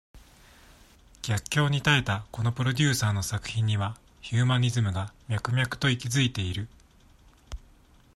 逆境に耐えたこのプロデューサーの作品には、ヒューマニズムが、脈々と息ずいている。